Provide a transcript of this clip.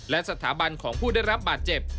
และสถาบันของผู้ได้รับบาดเจ็บ